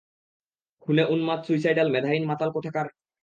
খুনে, উন্মাদ, সুইসাইডাল, মেধাহীন মাতাল কোথাকারে!